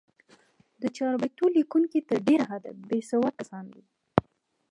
د چاربیتو لیکوونکي تر ډېره حده، بېسواد کسان دي.